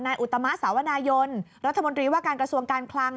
อุตมะสาวนายนรัฐมนตรีว่าการกระทรวงการคลัง